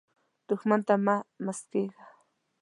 دښمن ته مه مسکېږه